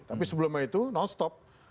tapi sebelumnya itu nonstop